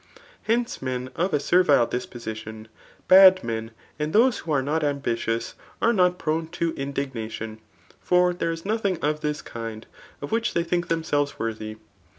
Hence, men of a sef vilis disposition, bad men, and those who are not ambitious, are not prone to indignation*; for there is nothing of thife kmd, of which they think them* selves worthy.